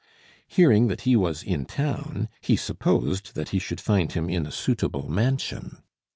Hearing that he was in town, he supposed that he should find him in a suitable mansion.